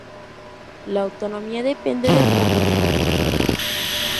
La autonomía depende del modo de conducción.